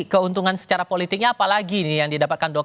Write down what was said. keuntungan secara politiknya apa lagi nih yang didapatkan dok